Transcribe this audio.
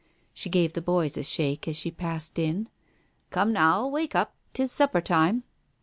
She gave the boys a shake as she passed in. "Come now, wake up ! 'Tis supper time